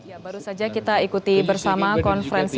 ya baru saja kita ikuti bersama konferensi